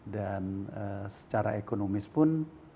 dan secara ekonomis pun